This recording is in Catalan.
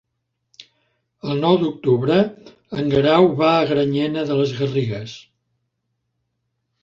El nou d'octubre en Guerau va a Granyena de les Garrigues.